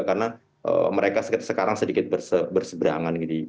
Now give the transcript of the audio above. karena mereka sekarang sedikit berseberangan